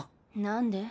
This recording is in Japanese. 何で？